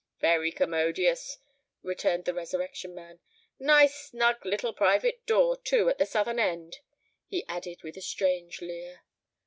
"Very commodious," returned the Resurrection Man. "Nice snug little private door, too, at the southern end," he added with a strange leer.